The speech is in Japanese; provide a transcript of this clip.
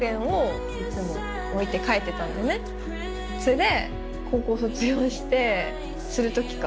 それで。